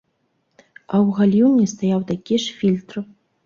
А ў гальюне стаяў такі ж фільтр.